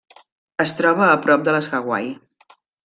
Es troba a prop de les Hawaii.